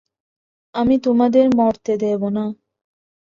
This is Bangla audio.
আমি তোমাদের মরতে দেব না!